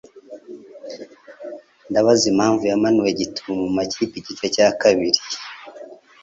Ndabaza impamvu yamanuwe gitumo mumakipe igice cya kabiri?